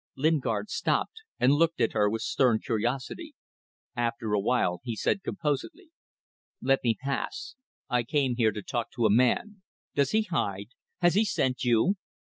Lingard stopped and looked at her with stern curiosity. After a while he said composedly "Let me pass. I came here to talk to a man. Does he hide? Has he sent you?"